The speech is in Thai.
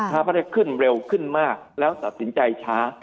ถ้าไม่ได้ขึ้นเร็วขึ้นมากแล้วตัดสินใจช้า